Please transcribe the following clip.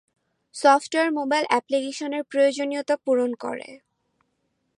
Software mobile অ্যাপ্লিকেশনের প্রয়োজনীয়তা পূরণ করে।